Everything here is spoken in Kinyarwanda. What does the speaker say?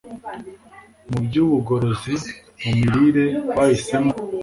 mu byubugorozi mu mirire Bahisemo